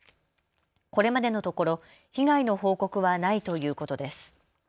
これまでのところ被害の報告はないということです。